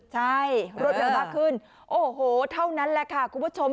ใช่รวดเร็วมากขึ้นโอ้โหเท่านั้นแหละค่ะคุณผู้ชม